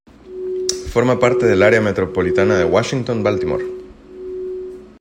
Forma parte del Área metropolitana de Washington-Baltimore.